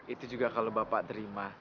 itu juga kalau bapak terima